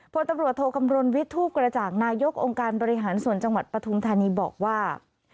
พลตำรวจโทคำรณวิทย์ทูปกระจ่างนายกองค์การบริหารส่วนจังหวัดปฐุมธานีบอกว่า